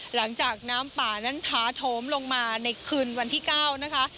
หลังจากน้ำป่านั้นท้าโถมลงมาในคืนวันที่๙นะคะ